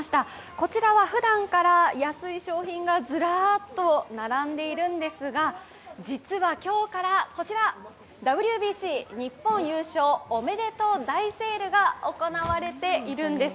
こちらはふだんから安い商品がずらっと並んでいるんですが、実は今日から、ＷＢＣ日本優勝おめでとう大セールが行われているんです。